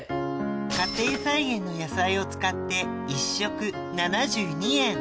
家庭菜園の野菜を使って１食７２円